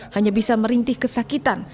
hanya bisa merintih kesakitan